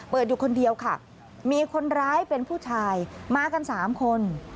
อยู่คนเดียวค่ะมีคนร้ายเป็นผู้ชายมากัน๓คน